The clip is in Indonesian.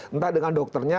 entah dengan dokternya